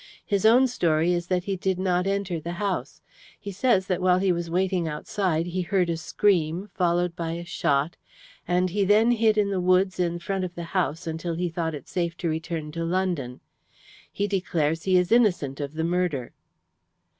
His own story is that he did not enter the house. He says that while he was waiting outside he heard a scream followed by a shot, and he then hid in the woods in front of the house until he thought it safe to return to London. He declares he is innocent of the murder."